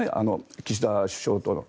岸田首相との。